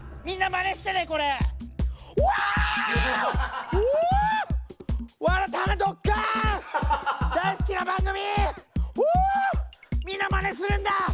みんなまねするんだ！